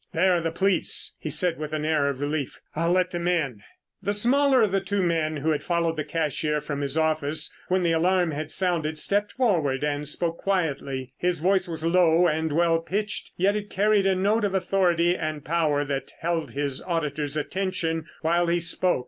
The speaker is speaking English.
"There are the police," he said with an air of relief. "I'll let them in." The smaller of the two men who had followed the cashier from his office when the alarm had sounded stepped forward and spoke quietly. His voice was low and well pitched yet it carried a note of authority and power that held his auditors' attention while he spoke.